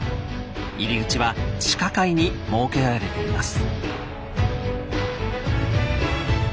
入り口は地下階に設けられています。